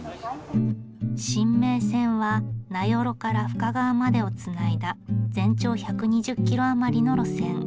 深名線は名寄から深川までをつないだ全長１２０キロ余りの路線。